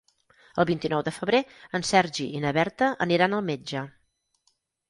El vint-i-nou de febrer en Sergi i na Berta aniran al metge.